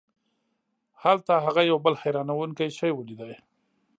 هلته هغه یو بل حیرانوونکی شی ولید.